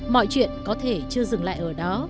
mọi chuyện có thể chưa dừng lại ở đó